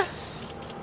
tidak bisa sedikit saja